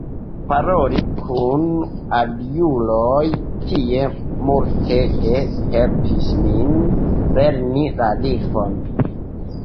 Paroli kun aliuloj tie multege helpis min lerni la lingvon.